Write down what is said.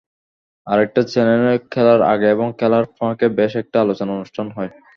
আরেকটা চ্যানেলে খেলার আগে এবং খেলার ফাঁকে বেশ একটা আলোচনা অনুষ্ঠান হয়।